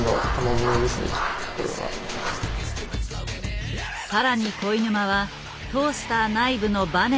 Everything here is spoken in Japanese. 更に肥沼はトースター内部のバネも改造。